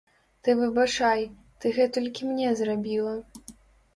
Ты выбачай, ты гэтулькі мне зрабіла!